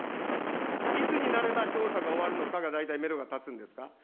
いつになれば調査が終わるのかが大体メドが立つんですか。